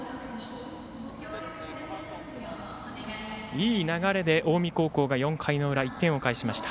いい流れで近江高校が４回の裏１点を返しました。